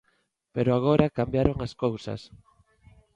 Pero agora cambiaron as cousas.